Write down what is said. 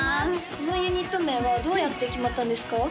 このユニット名はどうやって決まったんですか？